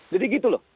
jadi gitu loh